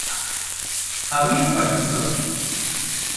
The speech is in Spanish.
¿habrían partido?